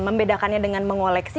membedakannya dengan mengoleksi